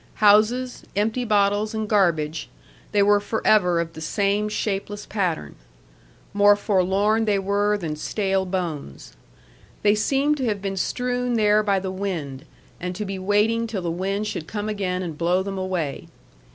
Houses, empty bottles, and garbage, they were forever of the same shapeless pattern. More forlorn they were than stale bones. They seemed to have been strewn there by the wind and to be waiting till the wind should come again and blow them away.